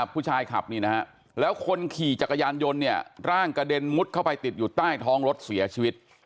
ผู้ชายขับนี่นะฮะแล้วคนขี่จักรยานยนต์เนี่ยร่างกระเด็นมุดเข้าไปติดอยู่ใต้ท้องรถเสียชีวิต